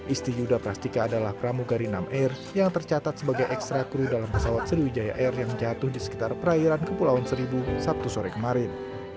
isti yudha prastika adalah pramugari enam air yang tercatat sebagai ekstra kru dalam pesawat sriwijaya air yang jatuh di sekitar perairan kepulauan seribu sabtu sore kemarin